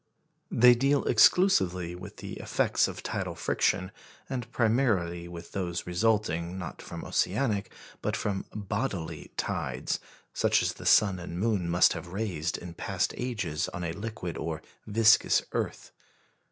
They deal exclusively with the effects of tidal friction, and primarily with those resulting, not from oceanic, but from "bodily" tides, such as the sun and moon must have raised in past ages on a liquid or viscous earth.